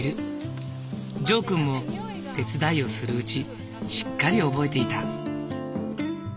ジョーくんも手伝いをするうちしっかり覚えていた。